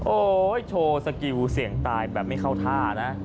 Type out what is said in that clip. โอ้โหโชว์สกิลเสี่ยงตายแบบไม่เข้าท่านะ